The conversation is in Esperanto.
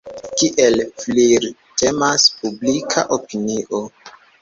Kiel flirtemas publika opinio!